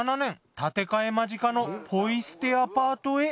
建て替え間近のポイ捨てアパートへ。